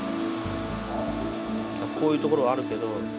こういうところあるけど。